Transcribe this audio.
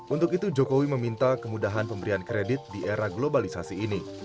untuk itu jokowi meminta kemudahan pemberian kredit di era globalisasi ini